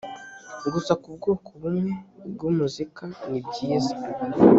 gusa ku bwoko bumwe bw umuzik a nibyiza.